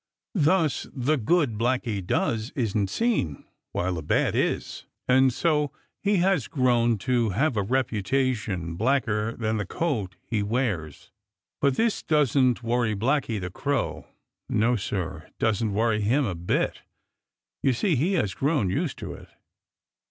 Thus the good Blacky does isn't seen, while the bad is, and so he has grown to have a reputation blacker than the coat he wears. But this doesn't worry Blacky the Crow. No, Sir, it doesn't worry him a bit. You see he has grown used to it.